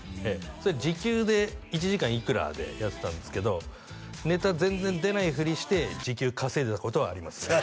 それ時給で１時間いくらでやってたんですけどネタ全然出ないふりして時給稼いでたことはありますね